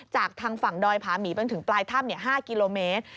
จากทางฝั่งดอยผาหมีจนถึงปลายถ้ำ๕กิโลเมตร